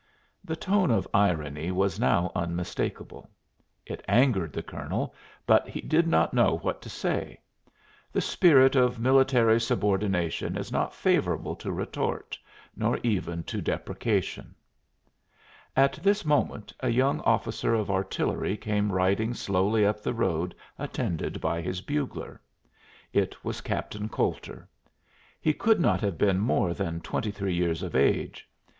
The tone of irony was now unmistakable. It angered the colonel, but he did not know what to say. The spirit of military subordination is not favorable to retort, nor even to deprecation. At this moment a young officer of artillery came riding slowly up the road attended by his bugler. It was Captain Coulter. He could not have been more than twenty three years of age.